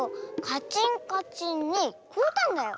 カチンカチンにこおったんだよ。